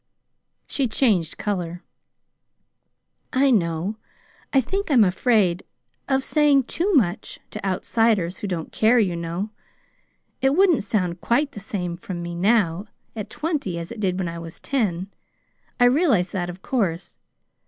She changed color. "I know. I think I'm afraid of saying too much to outsiders, who don't care, you know. It wouldn't sound quite the same from me now, at twenty, as it did when I was ten. I realize that, of course.